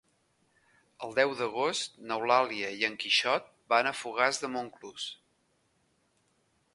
El deu d'agost n'Eulàlia i en Quixot van a Fogars de Montclús.